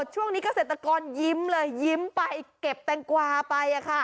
ช่วงนี้เกษตรกรยิ้มเลยยิ้มไปเก็บแตงกวาไป